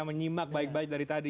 menyimak baik baik dari tadi